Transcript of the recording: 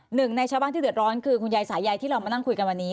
หนึ่งในชาวบ้านที่เดือดร้อนคือคุณยายสายใยที่เรามานั่งคุยกันวันนี้